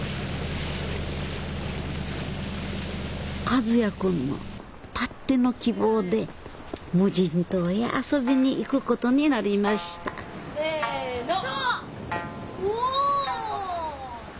和也君のたっての希望で無人島へ遊びにいくことになりましたせの！